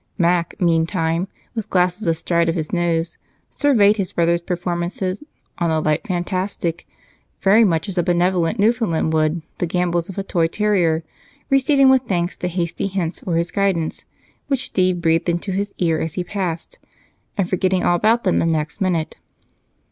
Mac, meantime, with glasses astride his nose, surveyed his brother's performances "on the light fantastic" very much as a benevolent Newfoundland would the gambols of a toy terrier, receiving with thanks the hasty hints for his guidance which Steve breathed into his ear as he passed and forgetting all about them the next minute.